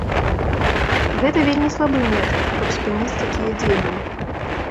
Гэта вельмі слабы метад, каб спыніць такія дзеянні.